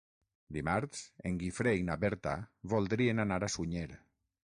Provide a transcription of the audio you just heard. Dimarts en Guifré i na Berta voldrien anar a Sunyer.